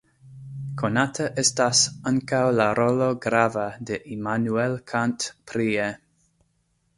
Konata estas ankaŭ la rolo grava de Immanuel Kant prie.